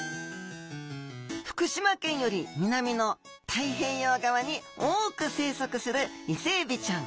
福島県より南の太平洋側に多く生息するイセエビちゃん。